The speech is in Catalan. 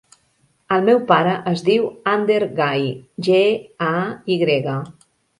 El meu pare es diu Ander Gay: ge, a, i grega.